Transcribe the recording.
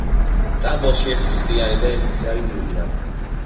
სტამბოლში ერთ ქრისტიანი და ერთი მდიდარი ურია